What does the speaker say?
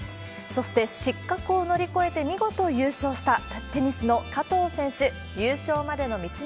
そして失格を乗り越えて見事優勝したテニスの加藤選手。